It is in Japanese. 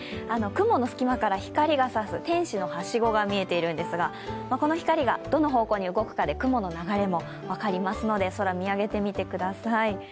雲の隙間から光が差す天使のはしごが見えているんですが、この光がどの方向に動くかで雲の流れも分かりますので空見あげてみてください。